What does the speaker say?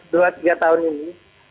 dua tiga tahun ini